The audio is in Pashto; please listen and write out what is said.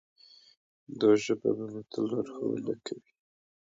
دا ژبه به مو تل لارښوونه کوي.